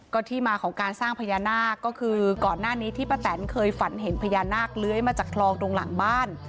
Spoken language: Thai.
ก็ที่มาของการสร้างพญานาคก็คือก่อนหน้านี้ที่ป้าแตนเคยฝันเห็นพญานาคเลื้อยมาจากคลองตรงหลังบ้าน